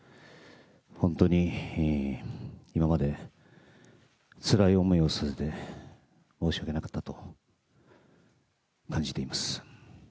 本当に今までつらい思いをさせて申し訳なかったと感じています。